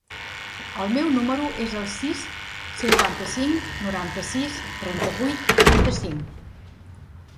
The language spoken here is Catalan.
El meu número es el sis, cinquanta-cinc, noranta-sis, trenta-vuit, trenta-cinc.